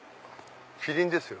キリンですよ。